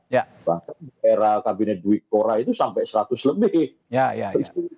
bahkan di era kabinet dwi kora itu sampai seratus lebih